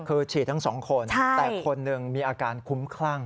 คือฉีดทั้งสองคนแต่คนหนึ่งมีอาการคุ้มคลั่ง